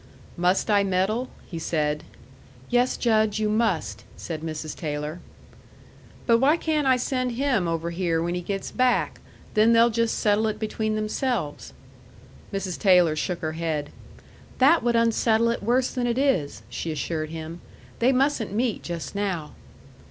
"Must I meddle?" he said. "Yes, Judge, you must," said Mrs. Taylor. "But why can't I send him over here when he gets back? Then they'll just settle it between themselves." Mrs. Taylor shook her head. "That would unsettle it worse than it is," she assured him. "They mustn't meet just now."